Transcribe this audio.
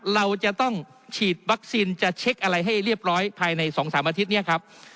เราจะต้องฉีดวัคซีนจะเช็คอะไรให้เรียบร้อยภายใน๒๓อาทิตย์เนี่ยครับ